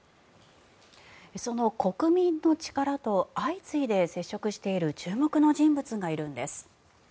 その国民の力と相次いで接触している注目の人物がいるんです。